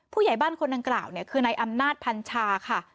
ผู้ใหญ่บ้านคนดังกล่าวคือนายอำนาจพันชาค่ะ